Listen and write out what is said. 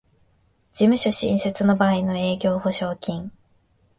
事務所新設の場合の営業保証金